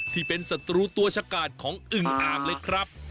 ที่เป็นศัตรูตัวชะกาดของอึงอ่างเลยครับ